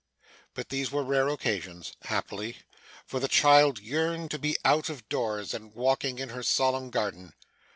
But these were rare occasions, happily; for the child yearned to be out of doors, and walking in her solemn garden.